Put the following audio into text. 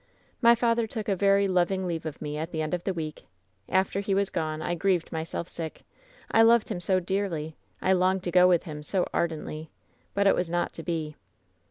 "My father took a very loving leave of me at the end of the week. "After he was gone I grieved myself sick I I loved him so dearly ! I longed to go with him so ardently. "But it was not to be.